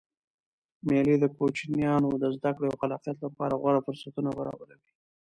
مېلې د کوچنيانو د زدکړي او خلاقیت له پاره غوره فرصتونه برابروي.